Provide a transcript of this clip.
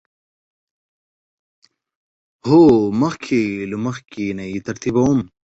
هو، مخکې له مخکی نه یی ترتیبوم